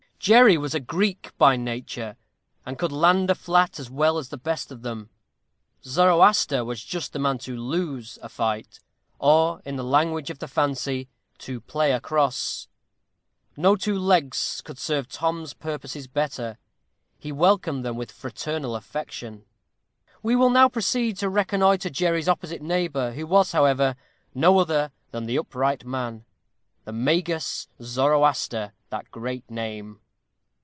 Jerry was a Greek by nature, and could land a flat as well as the best of them. Zoroaster was just the man to lose a fight; or, in the language of the Fancy, to play a cross. No two legs could serve Tom's purposes better. He welcomed them with fraternal affection. We will now proceed to reconnoitre Jerry's opposite neighbor, who was, however, no other than that Upright Man, The Magus Zoroaster, that great name.